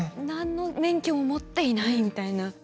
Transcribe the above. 何の免許も持っていないみたいな。